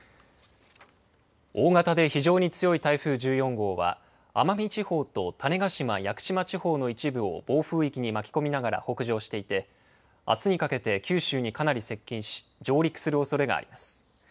大型で非常に強い台風１４号は、奄美地方と種子島・屋久島地方の一部を暴風域に巻き込みながら北上していて、あすにかけて九州にかなり接近し、上陸するおそれがあります。